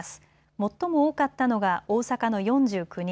最も多かったのが大阪の４９人。